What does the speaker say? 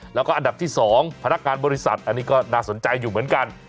แล้วก็อันดับที่๒พนักงานบริษัทอันนี้ก็น่าสนใจอยู่เหมือนกัน